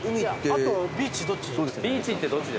あとビーチどっち？